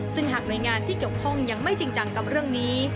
ซึ่งหากหน่วยงานที่เกี่ยวข้องยังไม่จริงจังกับเรื่องนี้